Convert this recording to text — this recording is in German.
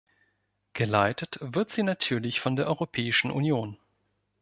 Geleitet wird sie natürlich von der Europäischen Union.